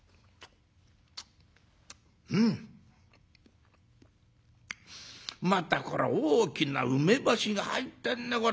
「うん！またこら大きな梅干しが入ってんねこら。